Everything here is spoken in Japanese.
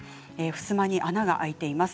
ふすまに穴が開いています。